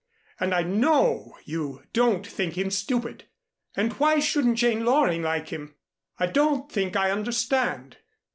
"And I know you don't think him stupid. And why shouldn't Jane Loring like him? I don't think I understand?"